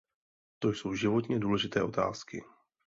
To jsou životně důležité otázky.